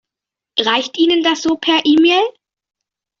Reicht Ihnen das so per E-Mail?